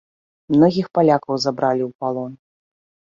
Многіх палякаў забралі ў палон.